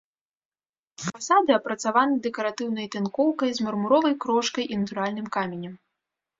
Фасады апрацаваны дэкаратыўнай тынкоўкай з мармуровай крошкай і натуральным каменем.